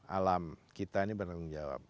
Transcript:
alam kita ini bertanggung jawab